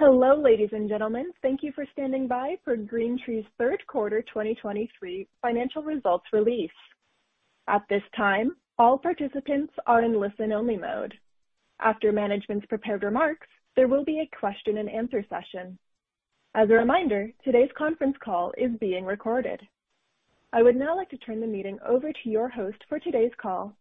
Hello, ladies and gentlemen. Thank you for standing by for GreenTree's third quarter 2023 financial results release. At this time, all participants are in listen-only mode. After management's prepared remarks, there will be a question and answer session. As a reminder, today's conference call is being recorded. I would now like to turn the meeting over to your host for today's call,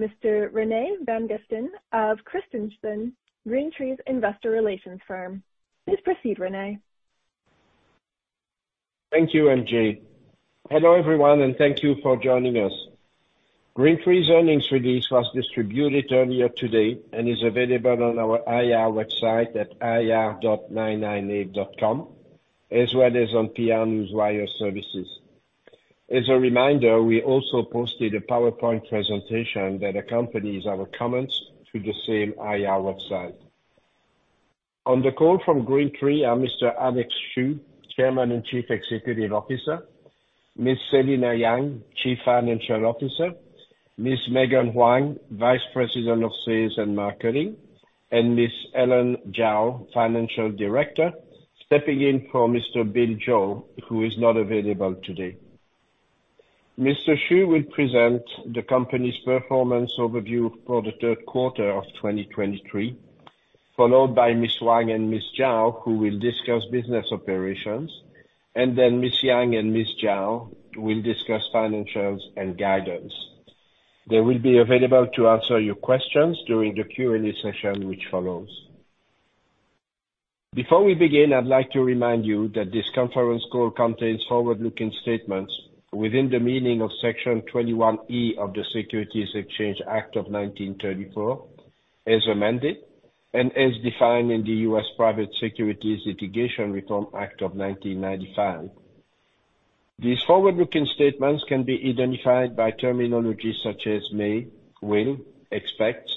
Mr. Rene Vanguestaine of Christensen, GreenTree's investor relations firm. Please proceed, Rene. Thank you, MJ. Hello, everyone, and thank you for joining us. GreenTree's earnings release was distributed earlier today and is available on our IR website at ir.greentreeinns.com, as well as on PR Newswire services. As a reminder, we also posted a PowerPoint presentation that accompanies our comments to the same IR website. On the call from GreenTree are Mr. Alex Xu, Chairman and Chief Executive Officer, Ms. Selina Yang, Chief Financial Officer, Ms. Megan Huang, Vice President of Sales and Marketing, and Ms. Helen Zhao, Financial Director, stepping in for Mr. Bill Zhou, who is not available today. Mr. Xu will present the company's performance overview for the third quarter of 2023, followed by Ms. Huang and Ms. Zhao, who will discuss business operations, and then Ms. Yang and Ms. Zhao will discuss financials and guidance. They will be available to answer your questions during the Q&A session, which follows. Before we begin, I'd like to remind you that this conference call contains forward-looking statements within the meaning of Section 21E of the Securities Exchange Act of 1934, as amended, and as defined in the U.S. Private Securities Litigation Reform Act of 1995. These forward-looking statements can be identified by terminology such as may, will, expect,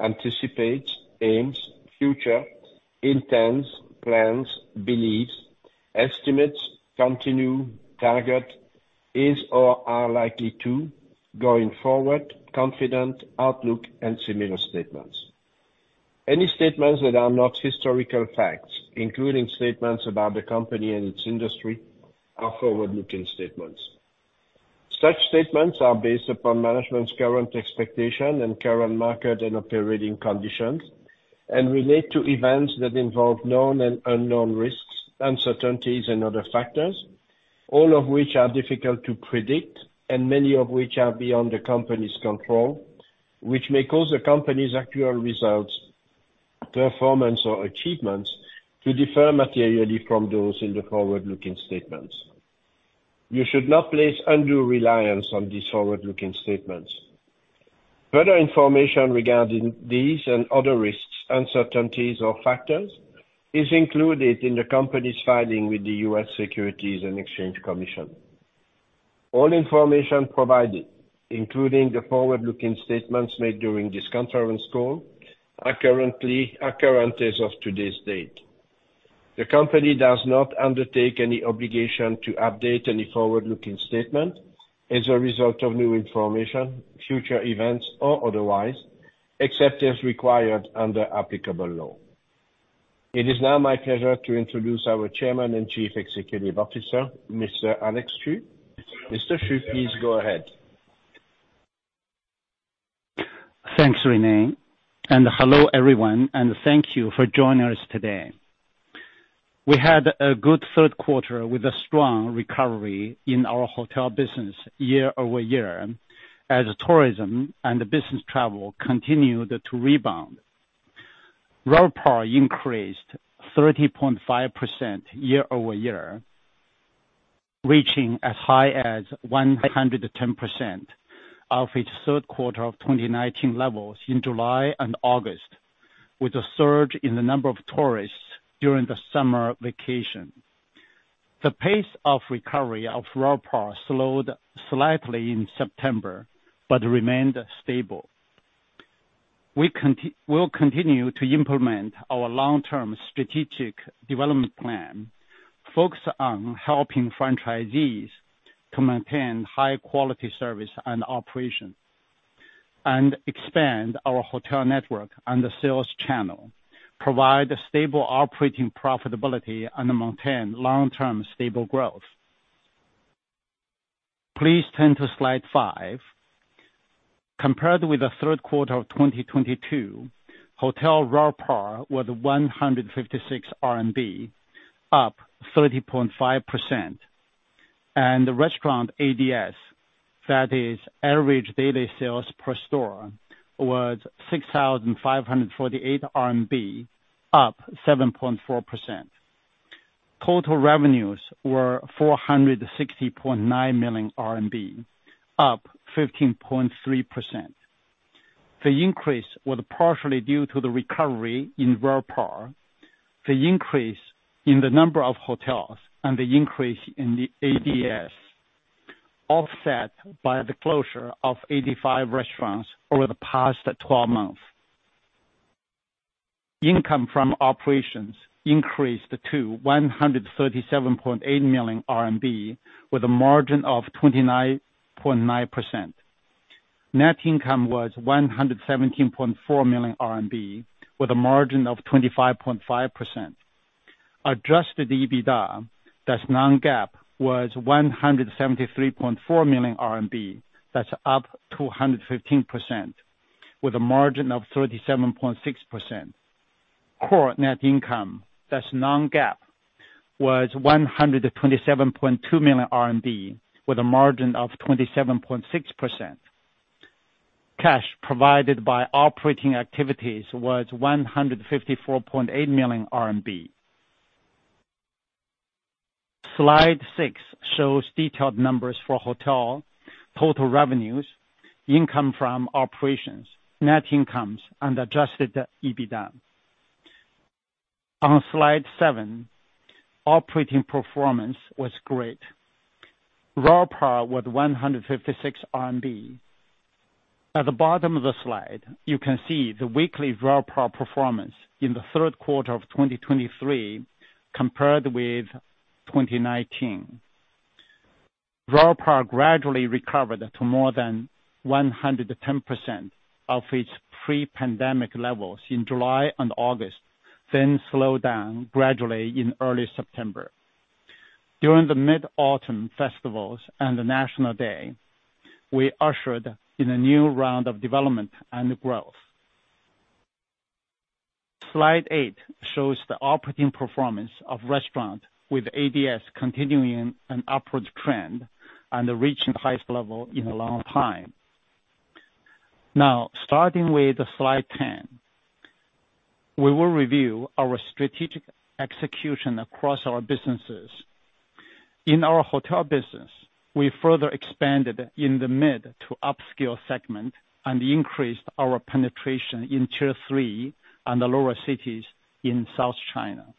anticipate, aims, future, intends, plans, believes, estimates, continue, target, is or are likely to, going forward, confident, outlook, and similar statements. Any statements that are not historical facts, including statements about the company and its industry, are forward-looking statements. Such statements are based upon management's current expectation and current market and operating conditions, and relate to events that involve known and unknown risks, uncertainties and other factors, all of which are difficult to predict, and many of which are beyond the company's control, which may cause the company's actual results, performance or achievements to differ materially from those in the forward-looking statements. You should not place undue reliance on these forward-looking statements. Further information regarding these and other risks, uncertainties or factors is included in the company's filing with the U.S. Securities and Exchange Commission. All information provided, including the forward-looking statements made during this conference call, are currently, are current as of today's date. The company does not undertake any obligation to update any forward-looking statement as a result of new information, future events or otherwise, except as required under applicable law. It is now my pleasure to introduce our Chairman and Chief Executive Officer, Mr. Alex Xu. Mr. Xu, please go ahead. Thanks, Rene, and hello, everyone, and thank you for joining us today. We had a good third quarter with a strong recovery in our hotel business year-over-year, as tourism and business travel continued to rebound. RevPAR increased 30.5% year-over-year, reaching as high as 100% of its third quarter of 2019 levels in July and August, with a surge in the number of tourists during the summer vacation. The pace of recovery of RevPAR slowed slightly in September, but remained stable. We'll continue to implement our long-term strategic development plan, focused on helping franchisees to maintain high quality service and operation, and expand our hotel network and the sales channel, provide a stable operating profitability, and maintain long-term stable growth. Please turn to slide 5. Compared with the third quarter of 2022, hotel RevPAR was 156 RMB, up 30.5%, and the restaurant ADS, that is average daily sales per store, was 6,548 RMB, up 7.4%. Total revenues were 460.9 million RMB, up 15.3%. The increase was partially due to the recovery in RevPAR, the increase in the number of hotels, and the increase in the ADS, offset by the closure of 85 restaurants over the past 12 months. Income from operations increased to 137.8 million RMB, with a margin of 29.9%. Net income was 117.4 million RMB, with a margin of 25.5%. Adjusted EBITDA, that's non-GAAP, was 173.4 million RMB, that's up 215%, with a margin of 37.6%. Core net income, that's non-GAAP, was 127.2 million RMB, with a margin of 27.6%. Cash provided by operating activities was 154.8 million RMB. Slide 6 shows detailed numbers for hotel total revenues, income from operations, net incomes, and adjusted EBITDA. On slide 7, operating performance was great. RevPAR was 156 RMB. At the bottom of the slide, you can see the weekly RevPAR performance in the third quarter of 2023 compared with 2019. RevPAR gradually recovered to more than 110% of its pre-pandemic levels in July and August, then slowed down gradually in early September. During the mid-autumn festivals and the National Day, we ushered in a new round of development and growth. Slide 8 shows the operating performance of restaurant, with ADS continuing an upward trend and reaching the highest level in a long time. Now, starting with slide 10, we will review our strategic execution across our businesses. In our hotel business, we further expanded in the mid-to-upscale segment and increased our penetration in Tier 3 and the lower cities in South China.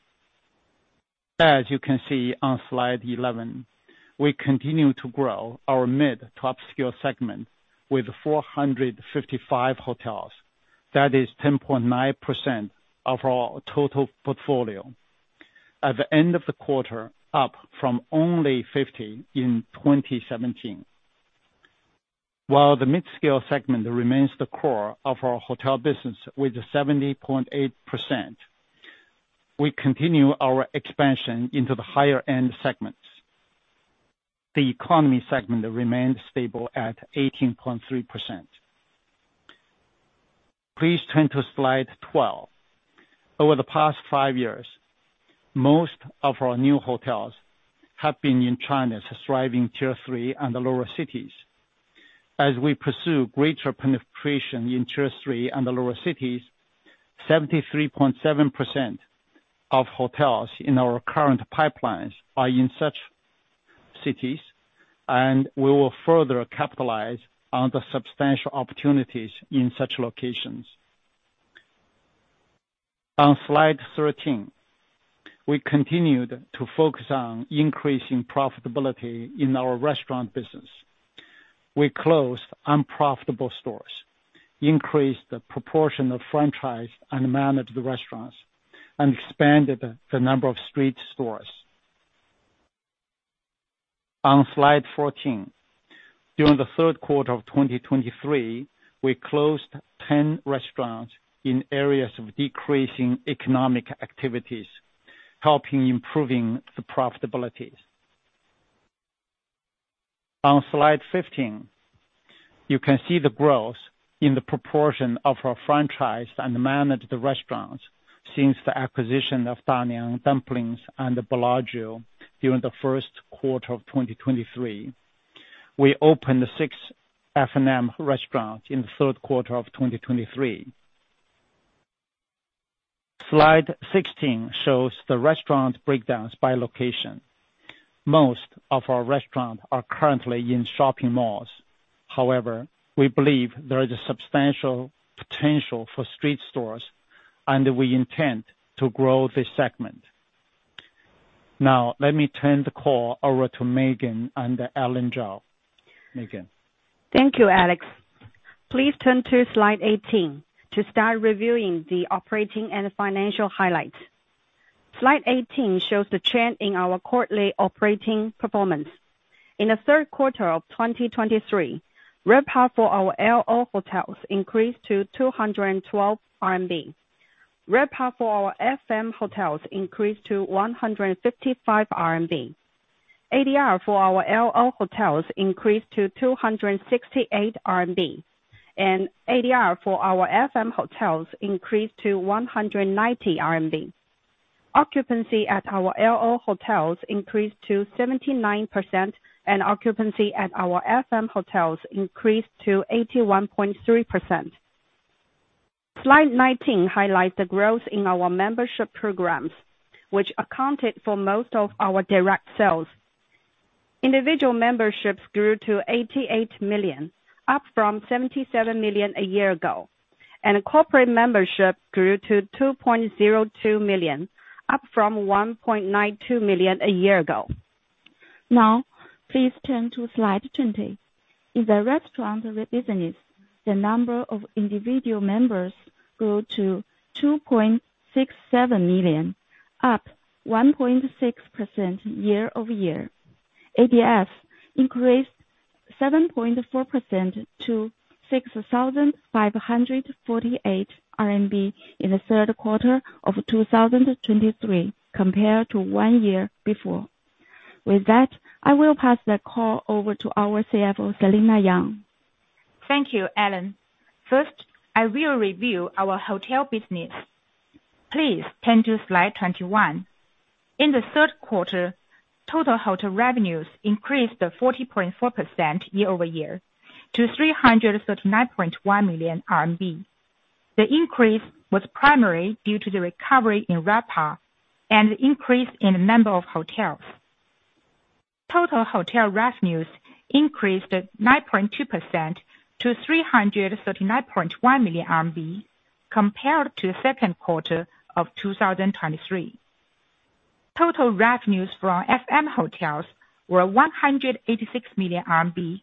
As you can see on Slide 11, we continue to grow our mid-to-upscale segment with 455 hotels. That is 10.9% of our total portfolio at the end of the quarter, up from only 50 in 2017. While the mid-scale segment remains the core of our hotel business with 70.8%, we continue our expansion into the higher end segments. The economy segment remains stable at 18.3%. Please turn to slide 12. Over the past 5 years, most of our new hotels have been in China's thriving Tier 3 and the lower cities. As we pursue greater penetration in Tier 3 and the lower cities, 73.7% of hotels in our current pipelines are in such cities, and we will further capitalize on the substantial opportunities in such locations. On slide 13, we continued to focus on increasing profitability in our restaurant business. We closed unprofitable stores, increased the proportion of franchise and managed the restaurants, and expanded the number of street stores. On slide 14, during the third quarter of 2023, we closed 10 restaurants in areas of decreasing economic activities, helping improving the profitability. On slide 15, you can see the growth in the proportion of our franchise and manage the restaurants since the acquisition of Da Niang Dumplings and Bellagio during the first quarter of 2023. We opened the 6 F&M restaurants in the third quarter of 2023. Slide 16 shows the restaurant breakdowns by location. Most of our restaurants are currently in shopping malls. However, we believe there is a substantial potential for street stores, and we intend to grow this segment. Now, let me turn the call over to Megan and Helen Zhao. Megan? Thank you, Alex. Please turn to slide 18 to start reviewing the operating and financial highlights. Slide 18 shows the trend in our quarterly operating performance. In the third quarter of 2023, RevPAR for our LO hotels increased to 212 RMB. RevPAR for our FM hotels increased to 155 RMB. ADR for our LO hotels increased to 268 RMB, and ADR for our FM hotels increased to 190 RMB. Occupancy at our LO hotels increased to 79%, and occupancy at our FM hotels increased to 81.3%. Slide 19 highlights the growth in our membership programs, which accounted for most of our direct sales. Individual memberships grew to 88 million, up from 77 million a year ago, and corporate membership grew to 2.02 million, up from 1.92 million a year ago. Now, please turn to slide 20. In the restaurant business, the number of individual members grew to 2.67 million.... up 1.6% year-over-year. ADS increased 7.4% to 6,548 RMB in the third quarter of 2023, compared to one year before. With that, I will pass the call over to our CFO, Selina Yang. Thank you, Helen. First, I will review our hotel business. Please turn to slide 21. In the third quarter, total hotel revenues increased 40.4% year-over-year, to 339.1 million RMB. The increase was primarily due to the recovery in RevPAR and the increase in the number of hotels. Total hotel revenues increased at 9.2% to 339.1 million RMB, compared to the second quarter of 2023. Total revenues from FM hotels were 186 million RMB,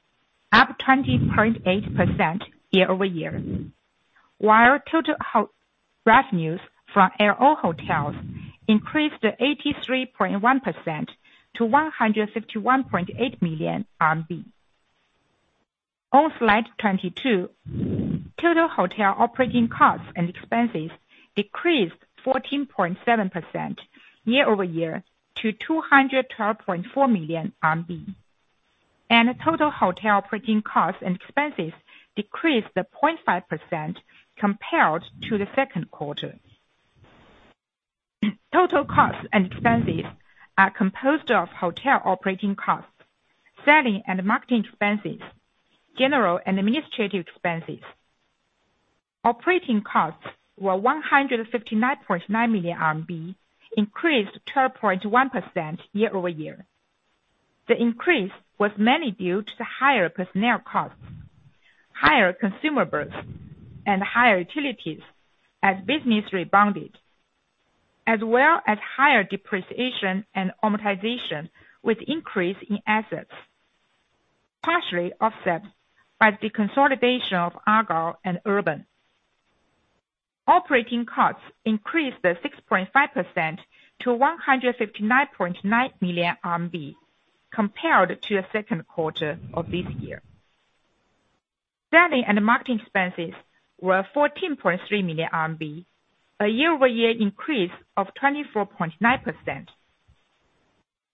up 20.8% year-over-year, while total hotel revenues from LO hotels increased 83.1% to 151.8 million RMB. On slide 22, total hotel operating costs and expenses decreased 14.7% year-over-year to 212.4 million RMB, and total hotel operating costs and expenses decreased 0.5% compared to the second quarter. Total costs and expenses are composed of hotel operating costs, selling and marketing expenses, general and administrative expenses. Operating costs were 159.9 million RMB, increased 12.1% year-over-year. The increase was mainly due to the higher personnel costs, higher consumables, and higher utilities as business rebounded, as well as higher depreciation and amortization with increase in assets, partially offset by the consolidation of Argyle and Urban. Operating costs increased 6.5% to 159.9 million RMB compared to the second quarter of this year. Selling and marketing expenses were 14.3 million RMB, a year-over-year increase of 24.9%.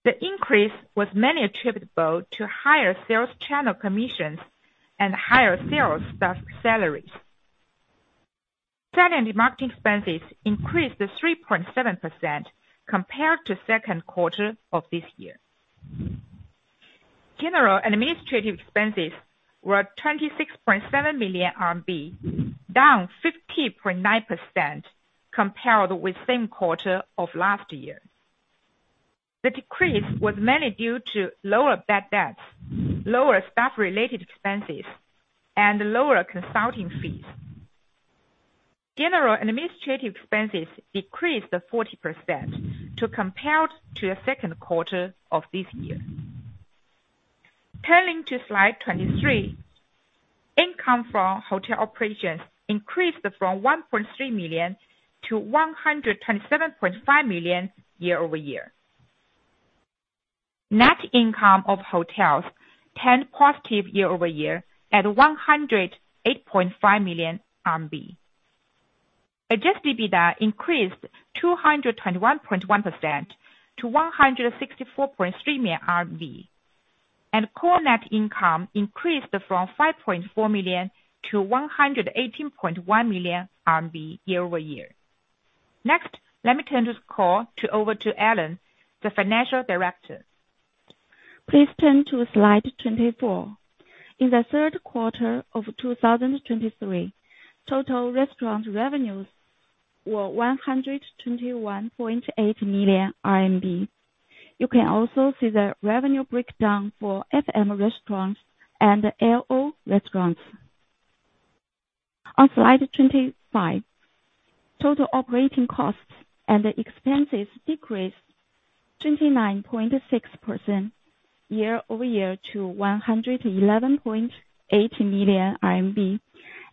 The increase was mainly attributable to higher sales channel commissions and higher sales staff salaries. Selling and marketing expenses increased to 3.7% compared to second quarter of this year. General and administrative expenses were 26.7 million RMB, down 15.9% compared with same quarter of last year. The decrease was mainly due to lower bad debts, lower staff-related expenses, and lower consulting fees. General and administrative expenses decreased to 40% to compared to the second quarter of this year. Turning to slide 23, income from hotel operations increased from 1.3 million to 127.5 million year-over-year. Net income of hotels turned positive year-over-year at 108.5 million RMB. Adjusted EBITDA increased 221.1% to 164.3 million RMB, and core net income increased from 5.4 million to 118.1 million RMB year-over-year. Next, let me turn this call over to Helen, the Financial Director. Please turn to slide 24. In the third quarter of 2023, total restaurant revenues were 121.8 million RMB. You can also see the revenue breakdown for FM restaurants and LO restaurants. On slide 25, total operating costs and expenses decreased 29.6% year-over-year to CNY 111.8 million,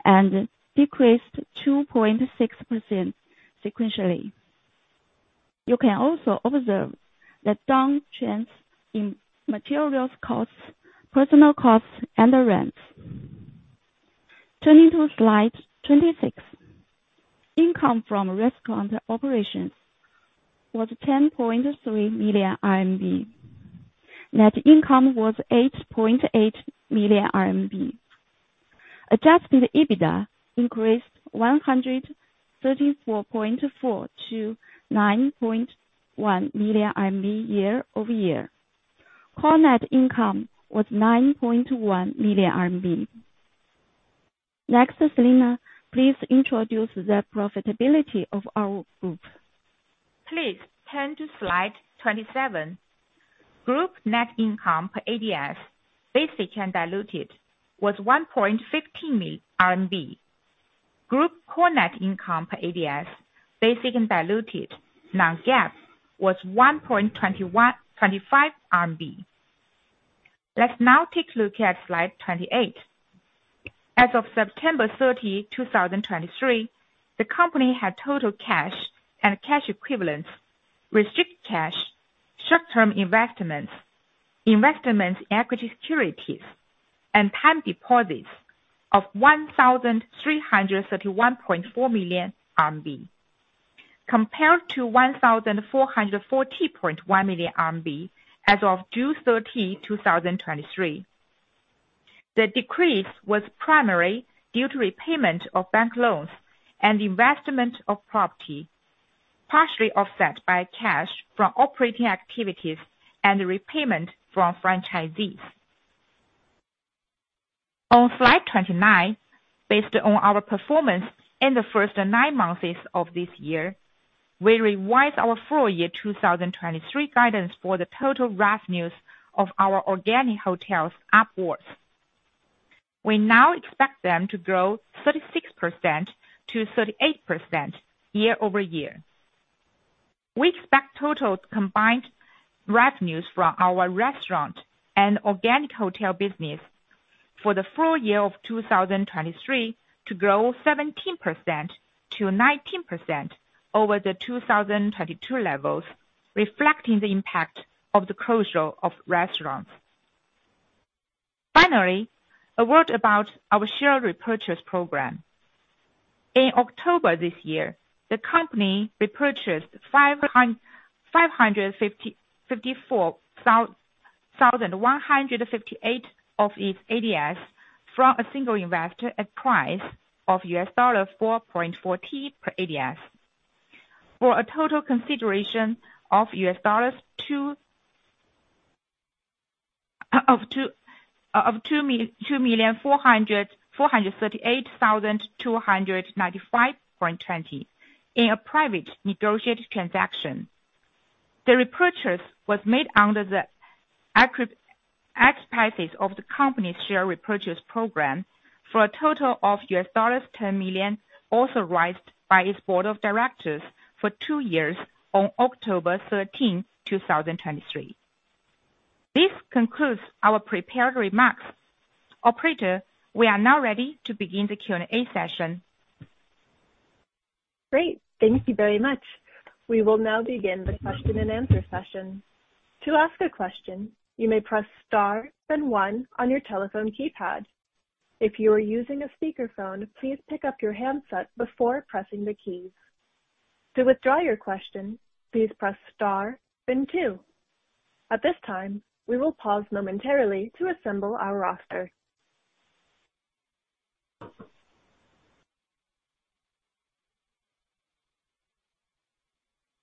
and decreased 2.6% sequentially. You can also observe the down trends in materials costs, personnel costs, and the rents. Turning to slide 26, income from restaurant operations was 10.3 million RMB. Net income was 8.8 million RMB. Adjusted EBITDA increased 134.4 to 9.1 million year-over-year. Core net income was 9.1 million RMB. Next, Selina, please introduce the profitability of our group. Please turn to slide 27. Group net income per ADS, basic and diluted, was 1.15. Group core net income per ADS, basic and diluted, non-GAAP, was 1.21-1.25 RMB. Let's now take a look at slide 28. As of September 30, 2023, the company had total cash and cash equivalents, restricted cash, short-term investments, investment equity securities, and time deposits of 1,331.4 million RMB, compared to 1,440.1 million RMB as of June 30, 2023. The decrease was primarily due to repayment of bank loans and investment of property, partially offset by cash from operating activities and repayment from franchisees. On slide 29, based on our performance in the first 9 months of this year, we revised our full year 2023 guidance for the total revenues of our organic hotels upwards. We now expect them to grow 36%-38% year-over-year. We expect total combined revenues from our restaurant and organic hotel business for the full year of 2023 to grow 17%-19% over the 2022 levels, reflecting the impact of the closure of restaurants. Finally, a word about our share repurchase program. In October this year, the company repurchased 554,158 of its ADSs from a single investor at a price of $4.14 per ADS, for a total consideration of $2,438,295.20, in a private negotiated transaction. The repurchase was made under the auspices of the company's share repurchase program for a total of $10 million, authorized by its board of directors for two years on October thirteenth, 2023. This concludes our prepared remarks. Operator, we are now ready to begin the Q&A session. Great. Thank you very much. We will now begin the question and answer session. To ask a question, you may press star then one on your telephone keypad. If you are using a speakerphone, please pick up your handset before pressing the keys. To withdraw your question, please press star then two. At this time, we will pause momentarily to assemble our roster.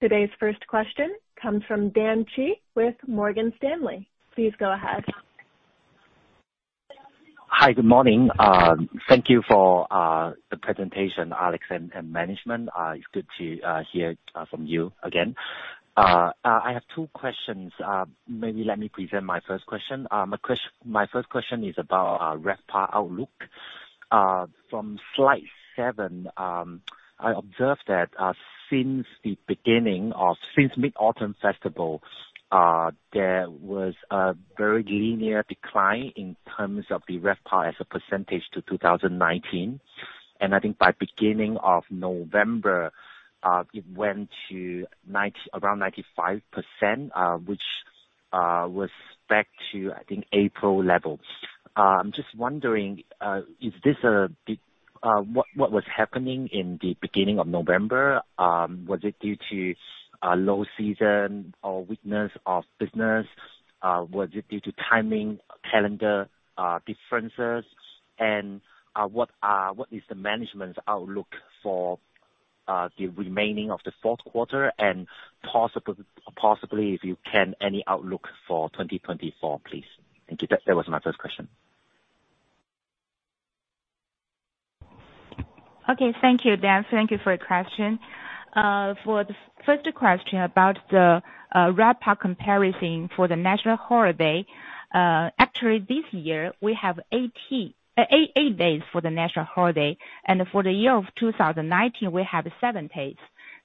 Today's first question comes from Dan Xu with Morgan Stanley. Please go ahead. Hi, good morning. Thank you for the presentation, Alex and management. It's good to hear from you again. I have two questions. Maybe let me present my first question. My first question is about RevPAR outlook. From slide 7, I observed that since mid-autumn festival, there was a very linear decline in terms of the RevPAR as a percentage to 2019, and I think by beginning of November, it went to 90, around 95%, which was back to, I think, April levels. I'm just wondering what was happening in the beginning of November. Was it due to a low season or weakness of business? Was it due to timing, calendar differences? What are, what is the management's outlook for the remaining of the fourth quarter, and possible, possibly, if you can, any outlook for 2024, please? Thank you. That, that was my first question. Okay, thank you, Dan. Thank you for your question. For the first question about the RevPAR comparison for the national holiday, actually, this year, we have eight days for the national holiday, and for the year of 2019, we have 7 days.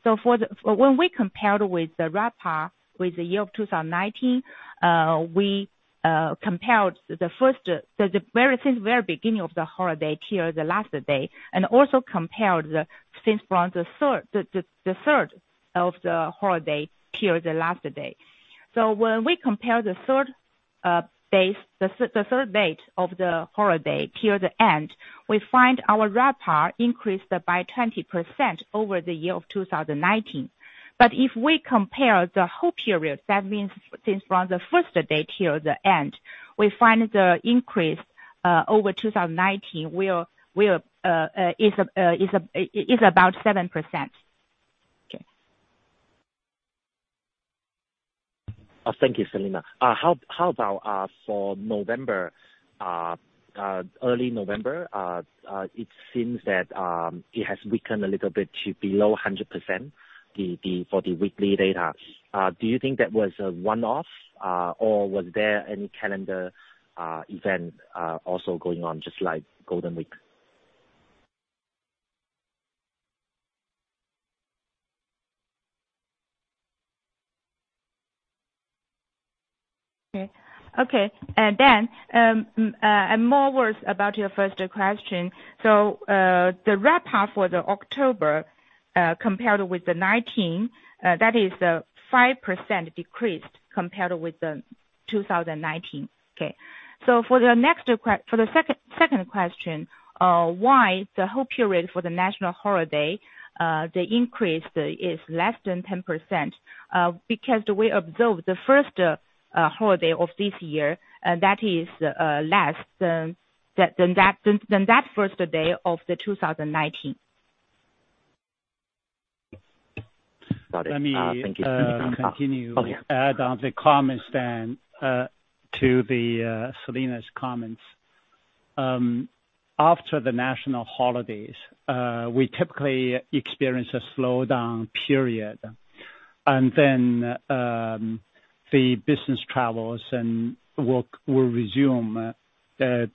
So when we compared with the RevPAR with the year of 2019, we compared the first since the very beginning of the holiday till the last day, and also compared since from the third, the third of the holiday period, the last day. So when we compare the third base, the third date of the holiday till the end, we find our RevPAR increased by 20% over the year of 2019. If we compare the whole period, that means since from the first date till the end, we find the increase over 2019 is about 7%. Okay. Thank you, Selina. How about for November, early November? It seems that it has weakened a little bit to below 100% for the weekly data. Do you think that was a one-off, or was there any calendar event also going on, just like Golden Week? Okay. Okay, and then, and more words about your first question. So, the RevPAR for the October, compared with 2019, that is a 5% decreased compared with 2019. Okay, so for the next for the second, second question, why the whole period for the national holiday, the increase, is less than 10%? Because we observed the first holiday of this year, that is, less than that first day of 2019. Got it. Thank you. Let me continue- Oh, yeah. Add on the comments then to Selina's comments. After the national holidays, we typically experience a slowdown period, and then the business travels and work will resume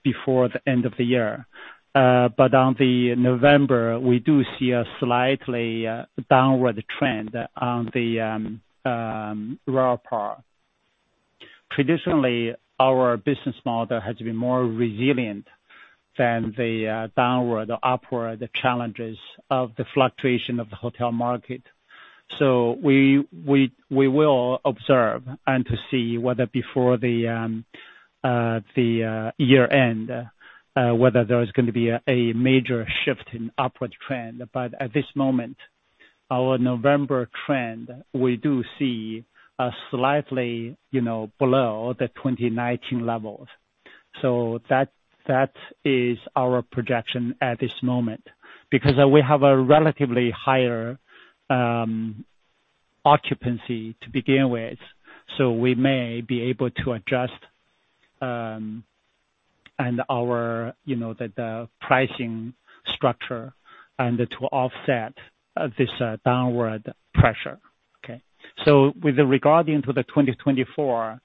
before the end of the year. But on the November, we do see a slightly downward trend on the RevPAR. Traditionally, our business model has been more resilient than the downward or upward challenges of the fluctuation of the hotel market. So we will observe and to see whether before the year end whether there is going to be a major shift in upward trend. But at this moment, our November trend, we do see a slightly you know below the 2019 levels. So that is our projection at this moment. Because we have a relatively higher occupancy to begin with, so we may be able to adjust and our, you know, the pricing structure and to offset this downward pressure. Okay, so with regard to the 2024,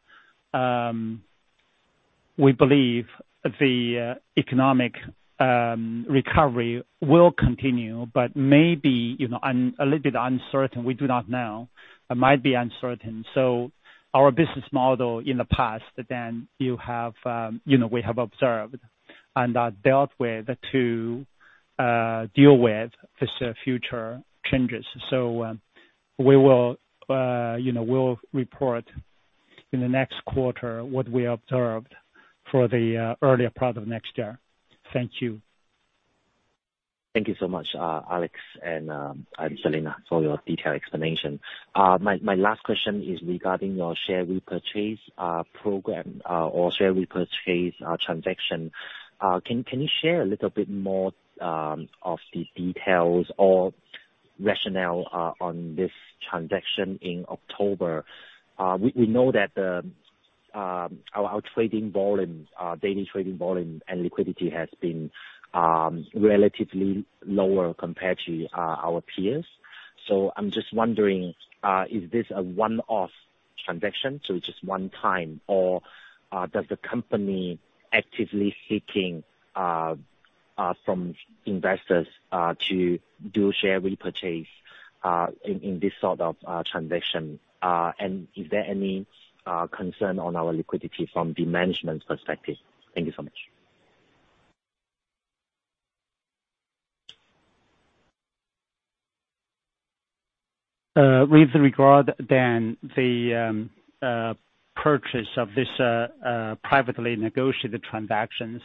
we believe the economic recovery will continue, but maybe, you know, a little bit uncertain, we do not know. It might be uncertain. So our business model in the past, then you have, you know, we have observed and dealt with to deal with this future changes. So, we will, you know, we'll report in the next quarter what we observed for the earlier part of next year. Thank you. Thank you so much, Alex and Selina, for your detailed explanation. My last question is regarding your share repurchase program or share repurchase transaction. Can you share a little bit more of the details or rationale on this transaction in October? We know that the our trading volume daily trading volume and liquidity has been relatively lower compared to our peers. So I'm just wondering, is this a one-off transaction, so just one time? Or does the company actively seeking from investors to do share repurchase in this sort of transaction? And is there any concern on our liquidity from the management perspective? Thank you so much. With regard, Dan, the purchase of this privately negotiated transactions,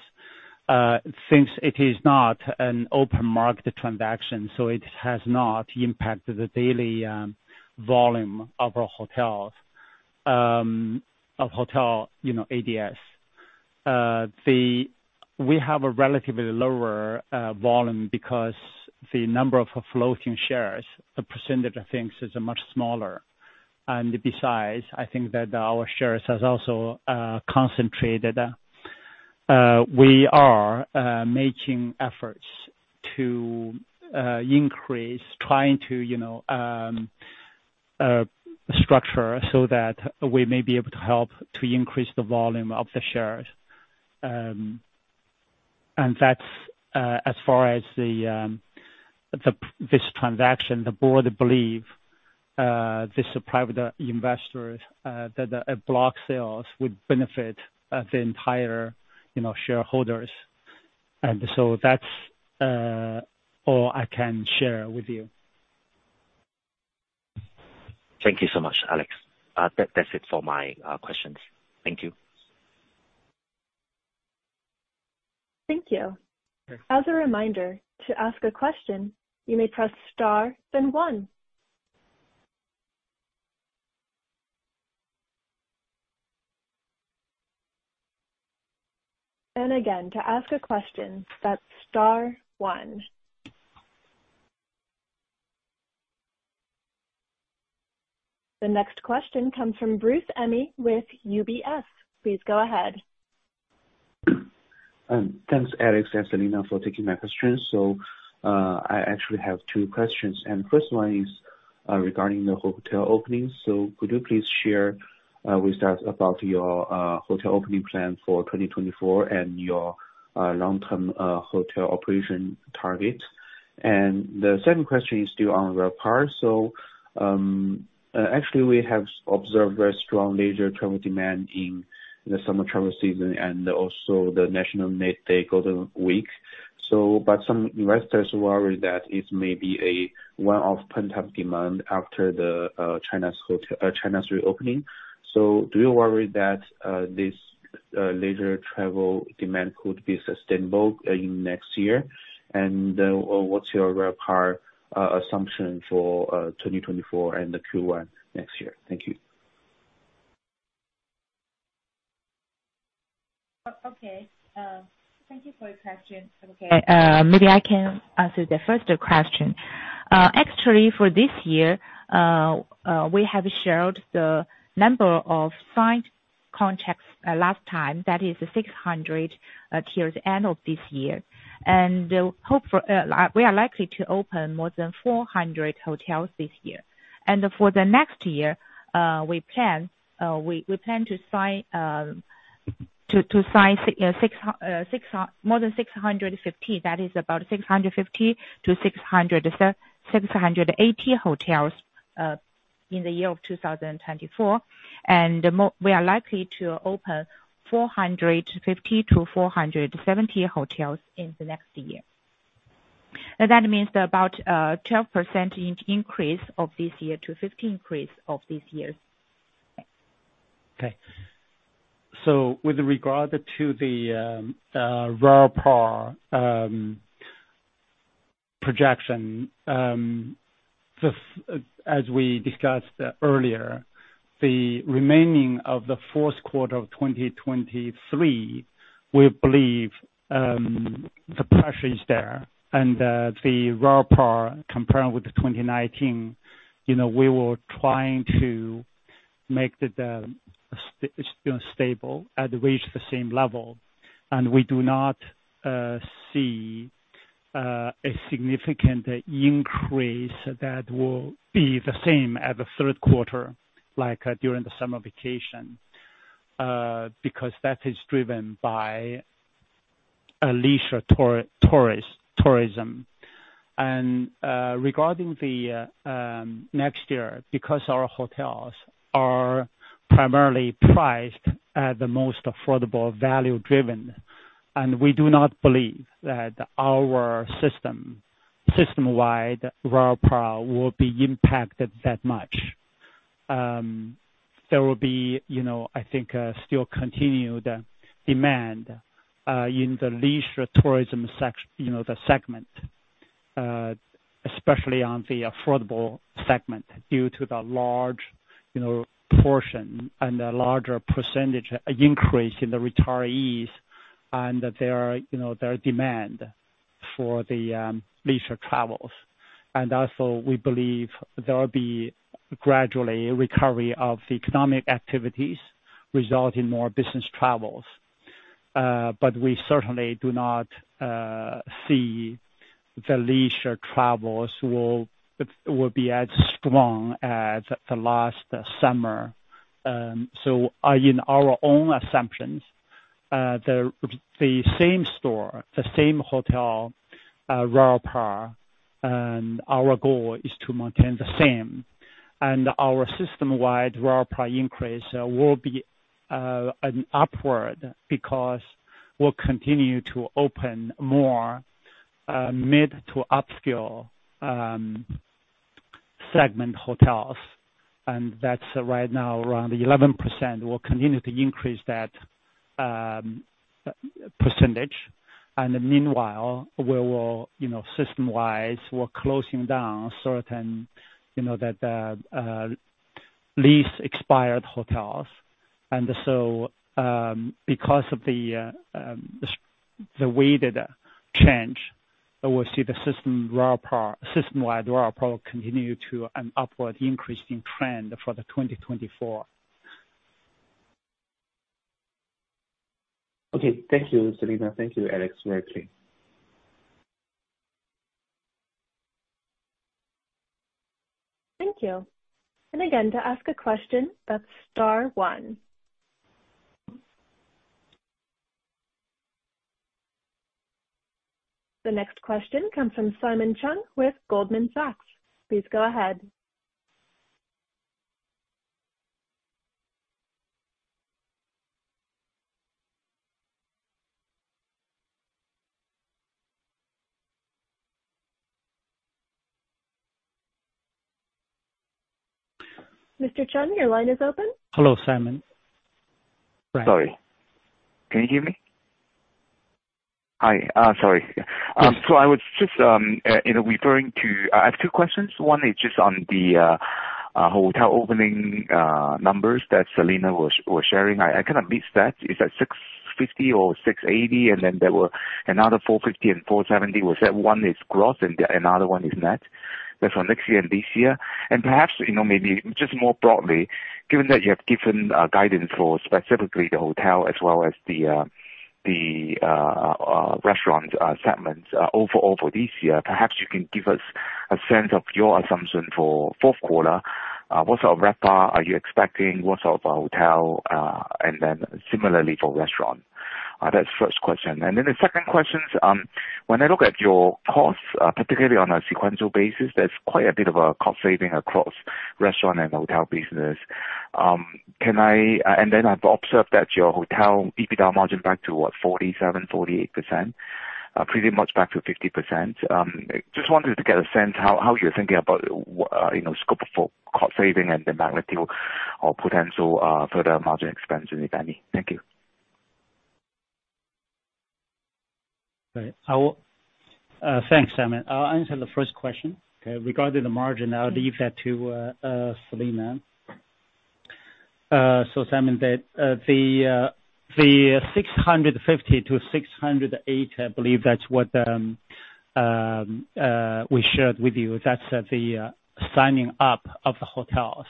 since it is not an open market transaction, so it has not impacted the daily volume of our hotels of hotel, you know, ADS. We have a relatively lower volume because the number of floating shares, the percentage of things, is much smaller. And besides, I think that our shares has also concentrated. We are making efforts to increase, trying to, you know, structure so that we may be able to help to increase the volume of the shares. And that's as far as the the this transaction, the board believe this private investors that a block sales would benefit the entire, you know, shareholders. And so that's all I can share with you. Thank you so much, Alex. That, that's it for my questions. Thank you. Thank you. As a reminder, to ask a question, you may press star, then one. Again, to ask a question, that's star one. The next question comes from Bruce Mee with UBS. Please go ahead. Thanks, Alex and Selina, for taking my questions. So, I actually have two questions, and first one is, regarding the hotel openings. So could you please share with us about your hotel opening plan for 2024 and your long-term hotel operation target? And the second question is still on RevPAR. So, actually we have observed very strong leisure travel demand in the summer travel season and also the National May Day Golden Week. But some investors worry that it may be a one-off pent-up demand after China's reopening. So do you worry that this leisure travel demand could be sustainable in next year? And, what's your RevPAR assumption for 2024 and the Q1 next year? Thank you. Okay. Thank you for your question. Okay, maybe I can answer the first question. Actually, for this year, we have shared the number of signed contracts last time. That is 600 till the end of this year. And hope for, we are likely to open more than 400 hotels this year. And for the next year, we plan, we plan to sign more than 650. That is about 650-680 hotels in the year of 2024, and we are likely to open 450-470 hotels in the next year. That means about 12% increase of this year to 15% increase of this year. Okay. So with regard to the RevPAR projection, as we discussed earlier, the remaining of the fourth quarter of 2023, we believe the pressure is there, and the RevPAR comparing with the 2019, you know, we were trying to make the stable and reach the same level, and we do not see a significant increase that will be the same as the third quarter, like during the summer vacation, because that is driven by a leisure tourism. And regarding the next year, because our hotels are primarily priced at the most affordable, value-driven, and we do not believe that our system system-wide RevPAR will be impacted that much. There will be, you know, I think, still continued demand in the leisure tourism you know, the segment, especially on the affordable segment, due to the large, you know, portion and the larger percentage increase in the retirees and their, you know, their demand for the leisure travels. And also, we believe there will be gradually a recovery of the economic activities, resulting in more business travels. But we certainly do not see the leisure travels will be as strong as the last summer. So, in our own assumptions, the same store, the same hotel RevPAR, and our goal is to maintain the same. And our system-wide RevPAR increase will be an upward, because we'll continue to open more mid- to upscale segment hotels, and that's right now around 11%. We'll continue to increase that percentage, and meanwhile, we will, you know, system-wide, we're closing down certain, you know, that lease expired hotels. And so, because of the weighted change, we'll see the system RevPAR, system-wide RevPAR continue to an upward increasing trend for 2024. Okay. Thank you, Selina. Thank you, Alex. Very clear. Thank you. And again, to ask a question, that's star one. The next question comes from Simon Cheung with Goldman Sachs. Please go ahead. Mr. Cheung, your line is open. Hello, Simon. Sorry, can you hear me? Hi, sorry. So I was just, you know, referring to... I have two questions. One is just on the hotel opening numbers that Selina was sharing. I kind of missed that. Is that 650 or 680? And then there were another 450 and 470. Was that one is gross and the another one is net?... That's for next year and this year. Perhaps, you know, maybe just more broadly, given that you have given guidance for specifically the hotel as well as the restaurant segments overall for this year, perhaps you can give us a sense of your assumption for fourth quarter. What sort of RevPAR are you expecting? What sort of hotel? And then similarly for restaurant. That's first question. And then the second question, when I look at your costs, particularly on a sequential basis, there's quite a bit of a cost saving across restaurant and hotel business. Can I-- and then I've observed that your hotel EBITDA margin back to what? 47%-48%, pretty much back to 50%. Just wanted to get a sense how you're thinking about, you know, scope for cost saving and the magnitude or potential further margin expansion, if any? Thank you. Right. Thanks, Simon. I'll answer the first question. Okay, regarding the margin, I'll leave that to Selina. So Simon, that the 650-680, I believe that's what we shared with you. That's the signing up of the hotels.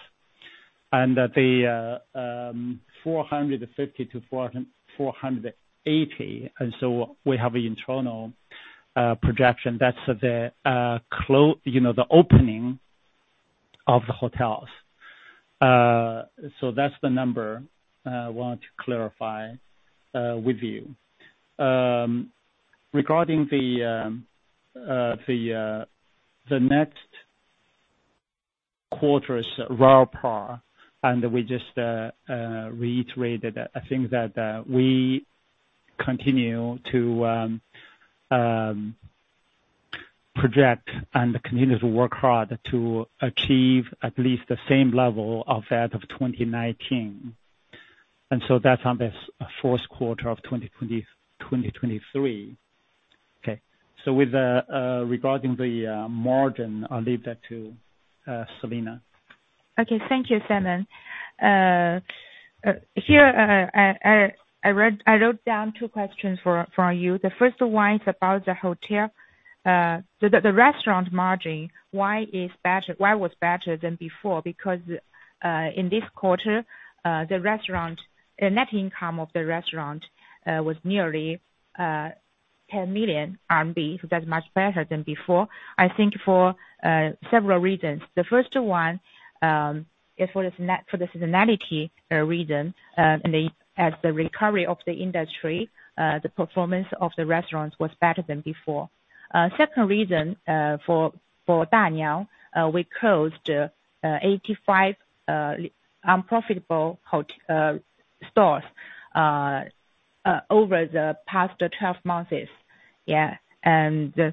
And the 450-480, and so we have an internal projection. That's the, you know, the opening of the hotels. So that's the number I want to clarify with you. Regarding the next quarter's RevPAR, and we just reiterated, I think that we continue to project and continue to work hard to achieve at least the same level of that of 2019. And so that's on the fourth quarter of 2023. Okay. So with regard to the margin, I'll leave that to Selina. Okay. Thank you, Simon. Here, I wrote down two questions for you. The first one is about the hotel. The restaurant margin, why was better than before? Because in this quarter, the restaurant, the net income of the restaurant, was nearly 10 million RMB. So that's much better than before. I think for several reasons. The first one is the seasonality reason, and as the recovery of the industry, the performance of the restaurants was better than before. Second reason, for Da Niang, we closed 85 unprofitable stores over the past 12 months. Yeah, and so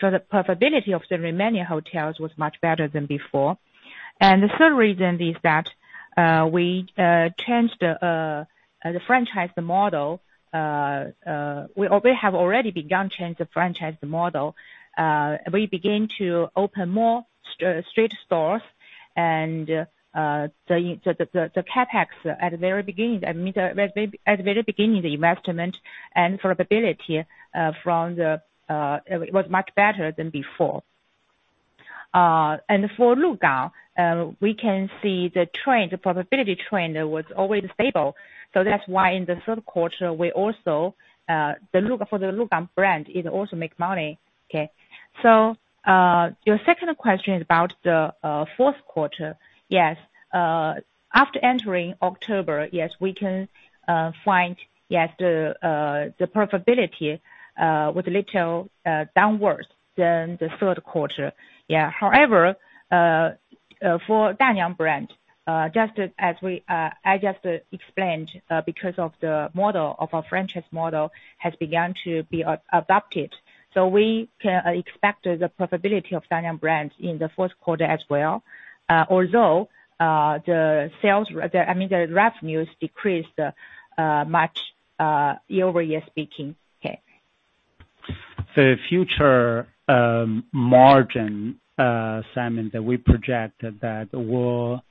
the profitability of the remaining hotels was much better than before. The third reason is that we changed the franchise model. We have already begun change the franchise model. We begin to open more street stores and the CapEx at the very beginning, I mean, at the very beginning, the investment and profitability from the was much better than before. And for Lu Gang, we can see the trend, the profitability trend was always stable. So that's why in the third quarter, we also for the Lu Gang brand, it also make money. Okay. So your second question is about the fourth quarter. After entering October, we can find the profitability with little downwards than the third quarter. Yeah. However, for Da Niang brand, just as we, I just explained, because of the model of our franchise model has begun to be adopted. So we can expect the profitability of Da Niang brand in the fourth quarter as well, although, the sales, I mean, the revenues decreased much year-over-year speaking. Okay. The future margin, Simon, that we project, that will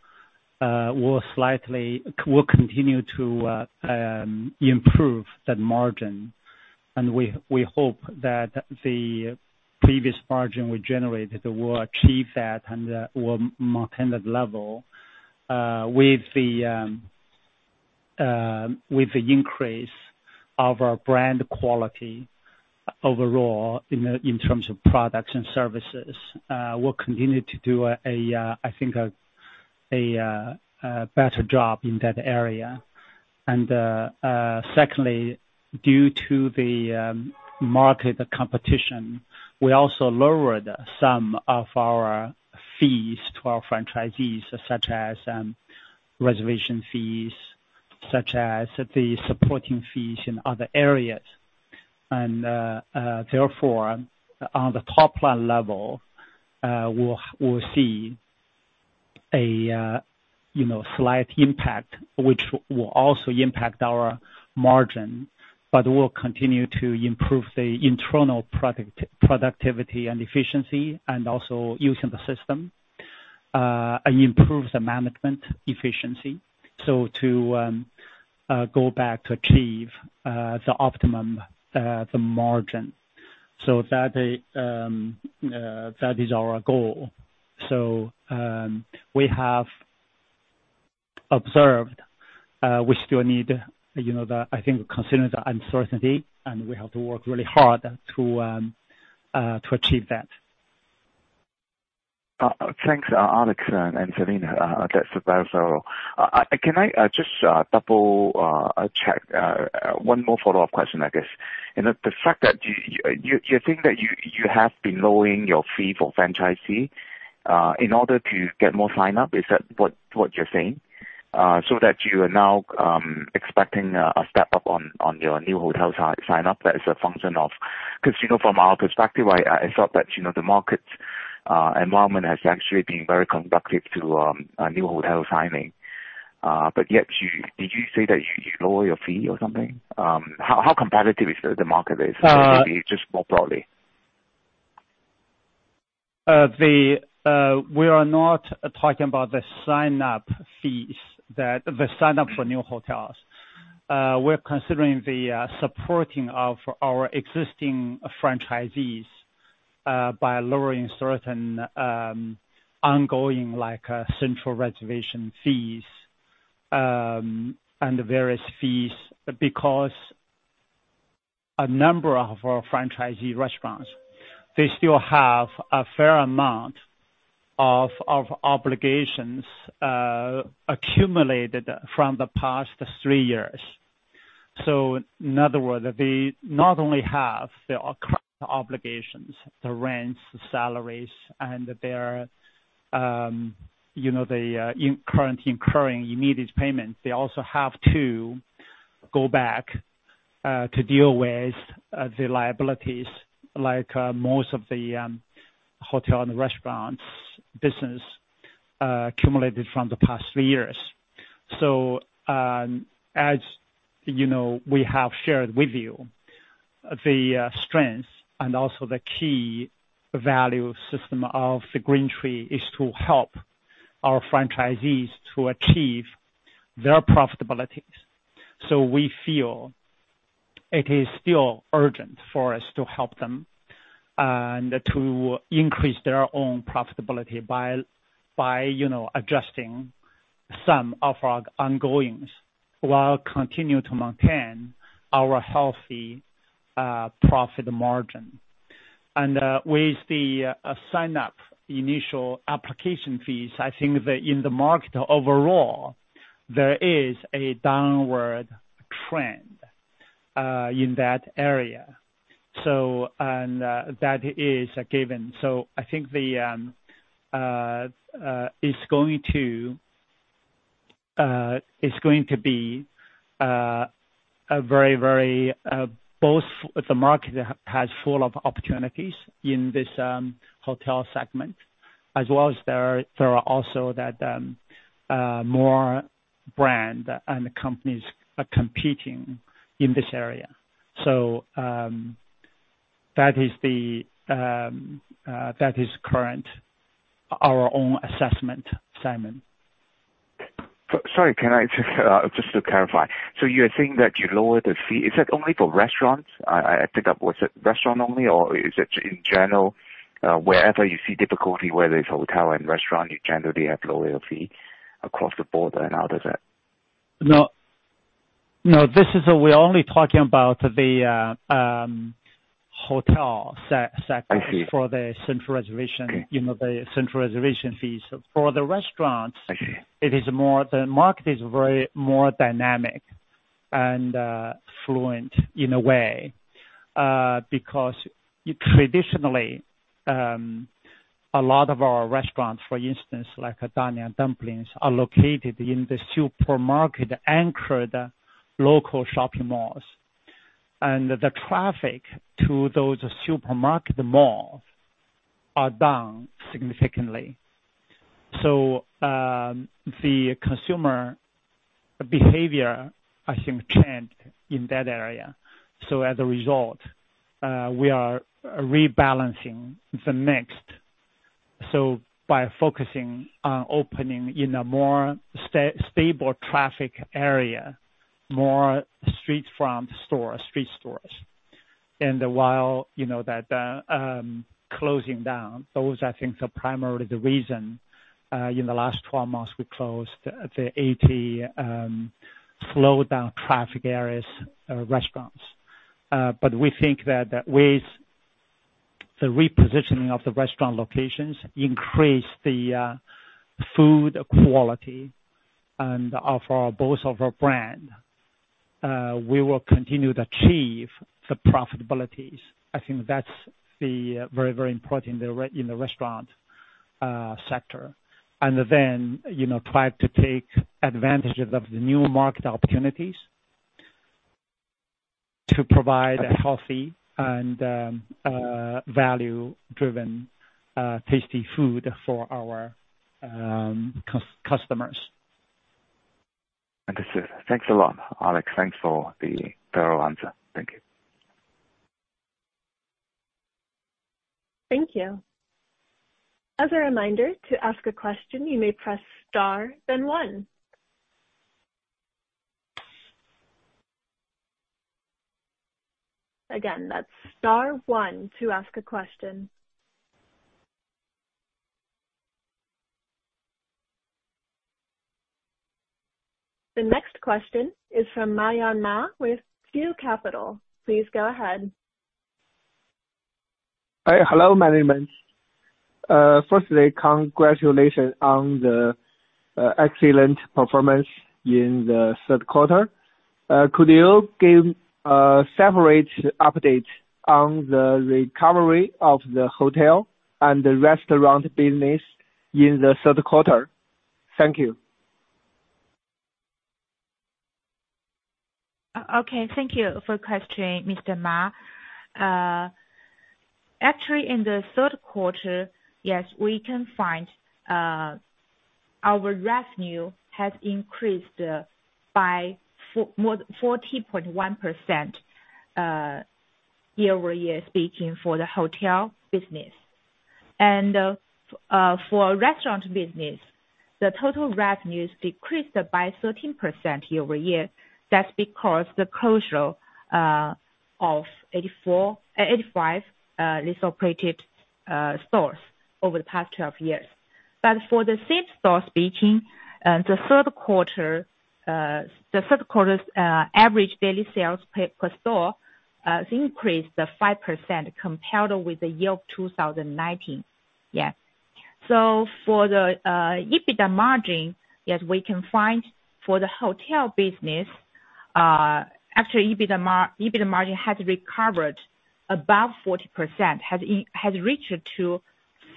slightly will continue to improve that margin. And we hope that the previous margin we generated will achieve that and will maintain that level, with the increase of our brand quality overall in terms of products and services. We'll continue to do, I think, a better job in that area. And secondly, due to the market competition, we also lowered some of our fees to our franchisees, such as reservation fees, such as the supporting fees in other areas. Therefore, on the top line level, we'll see a, you know, slight impact, which will also impact our margin, but we'll continue to improve the internal productivity and efficiency and also using the system and improve the management efficiency. So to go back to achieve the optimum margin. So that is our goal. So we have observed, we still need, you know, the, I think considering the uncertainty, and we have to work really hard to achieve that. Thanks, Alex and Selina. That's very thorough. Can I just double check one more follow-up question, I guess? And the fact that you think that you have been lowering your fee for franchisee in order to get more sign up, is that what you're saying? So that you are now expecting a step up on your new hotel sign up, that is a function of... 'Cause, you know, from our perspective, I thought that, you know, the market environment has actually been very conducive to a new hotel signing. But yet you did you say that you lower your fee or something? How competitive is the market just more broadly? We are not talking about the sign-up fees, that the sign up for new hotels. We're considering the supporting of our existing franchisees by lowering certain ongoing, like, central reservation fees and the various fees, because a number of our franchisee restaurants, they still have a fair amount of obligations accumulated from the past three years. So in other words, they not only have the current obligations, the rents, the salaries, and their, you know, the current incurring immediate payments. They also have to go back to deal with the liabilities, like, most of the hotel and restaurants business accumulated from the past three years. So, as you know, we have shared with you the strength and also the key value system of the GreenTree is to help our franchisees to achieve their profitabilities. So we feel it is still urgent for us to help them, and to increase their own profitability by, by, you know, adjusting some of our ongoings while continuing to maintain our healthy profit margin. And with the sign-up initial application fees, I think that in the market overall, there is a downward trend in that area. So, and that is a given. So I think it's going to be a very, very both the market has full of opportunities in this hotel segment, as well as there are also more brands and companies are competing in this area. So, that is current our own assessment, Simon. Sorry, can I just, just to clarify? So you're saying that you lowered the fee, is that only for restaurants? I pick up, was it restaurant only, or is it in general, wherever you see difficulty, whether it's hotel and restaurant, you generally have lower your fee across the board and out of that? No. No, this is a... We're only talking about the hotel segment- I see. - for the central reservation- Okay. you know, the central reservation fees. For the restaurants- I see. It is more, the market is very more dynamic and fluent in a way. Because traditionally, a lot of our restaurants, for instance, like Da Niang Dumplings, are located in the supermarket-anchored local shopping malls, and the traffic to those supermarket malls is down significantly. So, the consumer behavior, I think, changed in that area. So as a result, we are rebalancing the mix. So by focusing on opening in a more stable traffic area, more street front stores, street stores. And while, you know, that, closing down, those, I think, are primarily the reason, in the last 12 months, we closed the 80 slow down traffic areas, restaurants. But we think that with the repositioning of the restaurant locations, increase the food quality and of our both of our brand, we will continue to achieve the profitabilities. I think that's the very, very important in the restaurant sector. And then, you know, try to take advantage of the new market opportunities to provide a healthy and value-driven tasty food for our customers. Understood. Thanks a lot, Alex. Thanks for the thorough answer. Thank you. Thank you. As a reminder, to ask a question, you may press star then one. Again, that's star one to ask a question. The next question is from Mayan Ma with Fu Capital. Please go ahead. Hi. Hello, management. Firstly, congratulations on the excellent performance in the third quarter. Could you give separate update on the recovery of the hotel and the restaurant business in the third quarter? Thank you. Okay. Thank you for question, Mr. Ma. Actually, in the third quarter, yes, we can find our revenue has increased by more than 40.1% year-over-year speaking for the hotel business. And for restaurant business, the total revenues decreased by 13% year-over-year. That's because the closure of 85 leased-operated stores over the past 12 years. But for the same store speaking, the third quarter, the third quarter's average daily sales per store increased 5% compared with the year of 2019. Yeah. So for the EBITDA margin, yes, we can find for the hotel business, actually, EBITDA margin has recovered above 40%, has reached to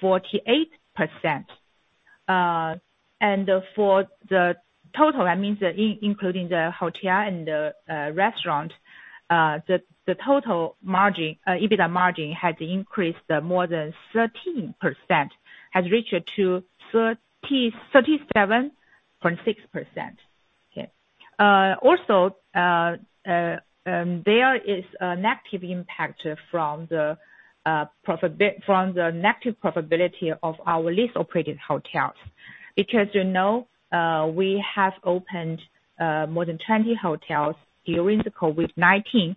48%. And for the total, that means including the hotel and the restaurant, the total margin, EBITDA margin, has increased more than 13%, has reached to 37.6%. Yeah. Also, there is a negative impact from the negative profitability of our leased-operated hotels, because, you know, we have opened more than 20 hotels during the COVID-19,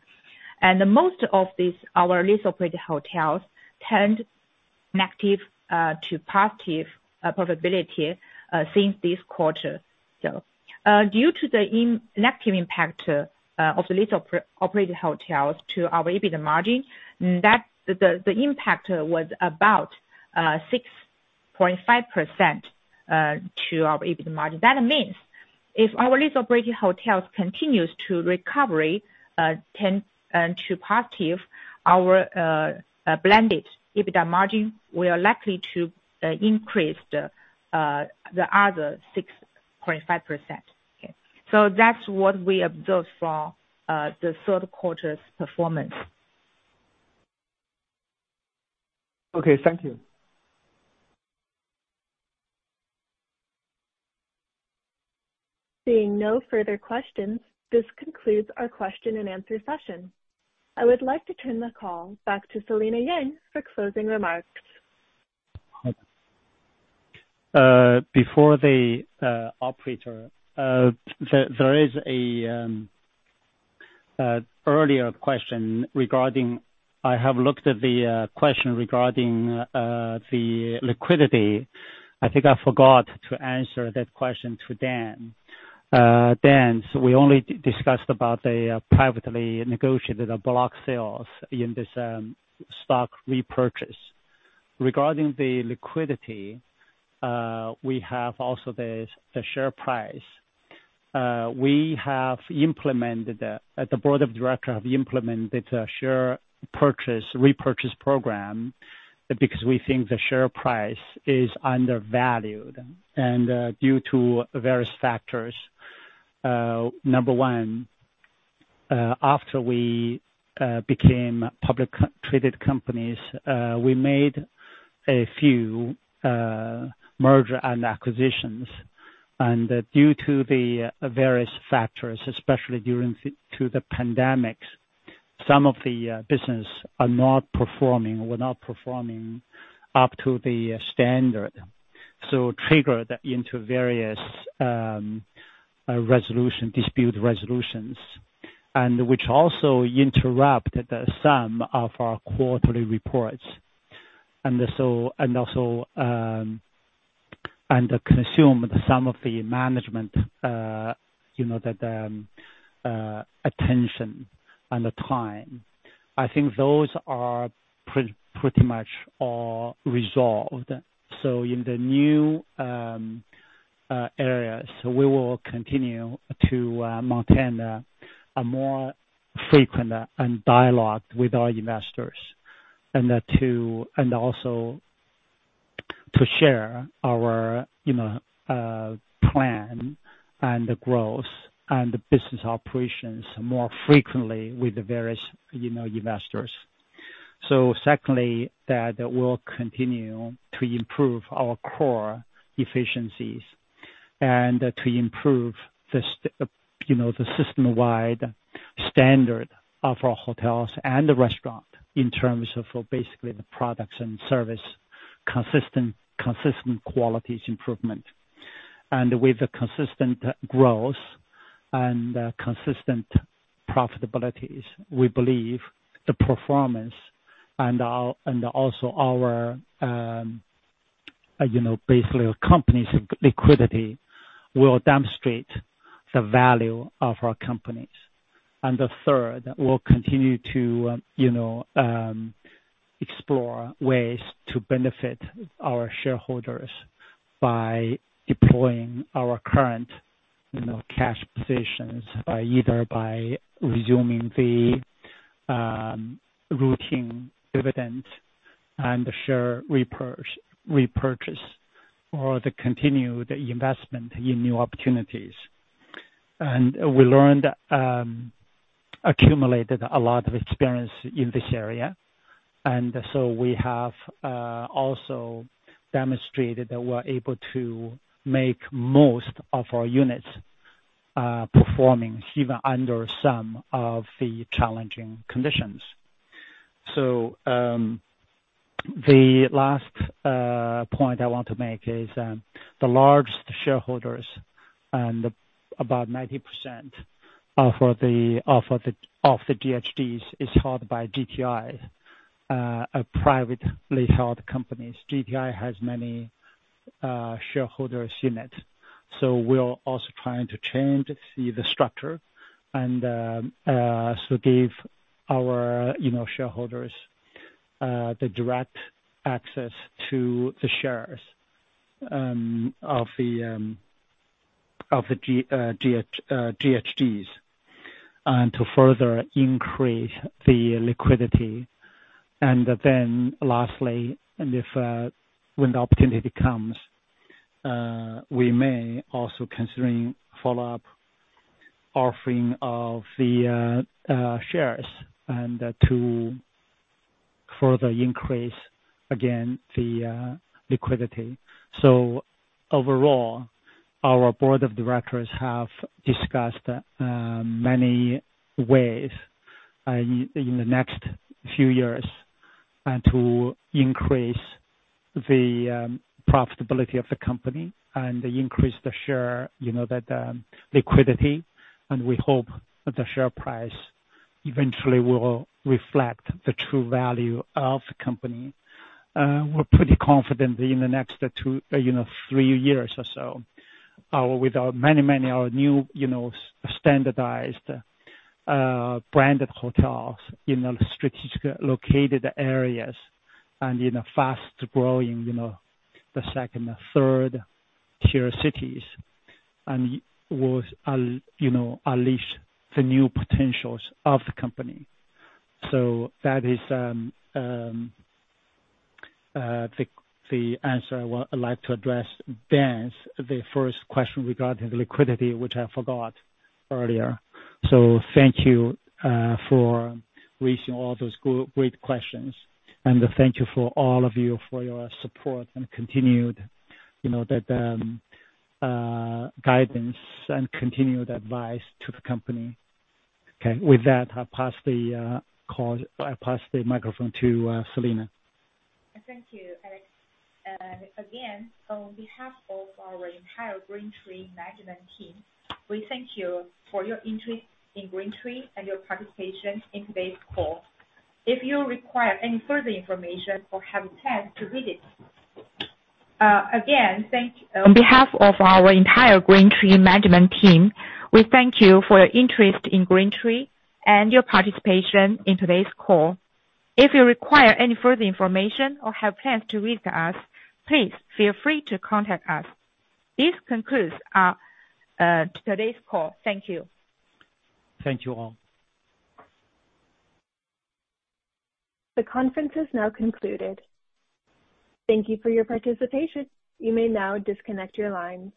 and most of these, our leased-operated hotels, turned negative to positive profitability since this quarter. So, due to the negative impact of the leased-operated hotels to our EBITDA margin, the impact was about 6.5% to our EBITDA margin. That means if our lease-operated hotels continues to recovery, turn to positive, our blended EBITDA margin, we are likely to increase the other 6.5%. Yeah. So that's what we observed from the third quarter's performance. Okay. Thank you. Seeing no further questions, this concludes our question and answer session. I would like to turn the call back to Selina Yang for closing remarks. Before the operator, there is an earlier question regarding... I have looked at the question regarding the liquidity. I think I forgot to answer that question to Dan. Dan, so we only discussed about the privately negotiated block sales in this stock repurchase. Regarding the liquidity, we have also the share price. We have implemented, the board of directors have implemented a share purchase repurchase program, because we think the share price is undervalued, and due to various factors. Number one, after we became publicly-traded companies, we made a few mergers and acquisitions, and due to the various factors, especially during the pandemic, some of the businesses are not performing or were not performing up to the standard. So triggered into various resolution, dispute resolutions, and which also interrupted some of our quarterly reports. And so, and also, and consumed some of the management, you know, the attention and the time. I think those are pretty much all resolved. So in the new areas, we will continue to maintain a more frequent and dialogue with our investors, and to, and also to share our, you know, plan and the growth and the business operations more frequently with the various, you know, investors. So secondly, that we'll continue to improve our core efficiencies and to improve you know, the system-wide standard of our hotels and the restaurant in terms of, basically, the products and service, consistent quality improvement. And with the consistent growth and consistent profitabilities, we believe the performance and our, and also our, you know, basically, our company's liquidity will demonstrate the value of our companies. And the third, we'll continue to, you know, explore ways to benefit our shareholders by deploying our current, you know, cash positions by either resuming the routine dividend and the share repurchase, or the continued investment in new opportunities. And we accumulated a lot of experience in this area, and so we have also demonstrated that we're able to make most of our units performing even under some of the challenging conditions. So, the last point I want to make is, the largest shareholders and about 90% of the GHG is held by GTI, a privately held company. GTI has many shareholders in it, so we're also trying to change the structure and so give our, you know, shareholders the direct access to the shares of the GHG's, and to further increase the liquidity. And then lastly, when the opportunity comes, we may also considering follow-up offering of the shares and to further increase, again, the liquidity. So overall, our board of directors have discussed many ways in the next few years and to increase the profitability of the company and increase the share, you know, the liquidity, and we hope that the share price eventually will reflect the true value of the company. We're pretty confident that in the next two, you know, three years or so, with our many, many, our new, you know, standardized branded hotels in the strategic located areas and in a fast-growing, you know, the second or third tier cities, and will unleash the new potentials of the company. So that is the answer I'd like to address, Dan's, the first question regarding the liquidity, which I forgot earlier. So, thank you for raising all those good, great questions. And thank you for all of you for your support and continued guidance and continued advice to the company. Okay, with that, I'll pass the call, I pass the microphone to Selina. Thank you, Alex. And again, on behalf of our entire GreenTree management team, we thank you for your interest in GreenTree and your participation in today's call. If you require any further information or have a chance to read it, again, thank you. On behalf of our entire GreenTree management team, we thank you for your interest in GreenTree and your participation in today's call. If you require any further information or have plans to reach us, please feel free to contact us. This concludes today's call. Thank you. Thank you, all. The conference is now concluded. Thank you for your participation. You may now disconnect your lines.